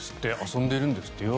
遊んでるんですってよ。